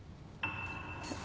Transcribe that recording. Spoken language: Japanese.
えっ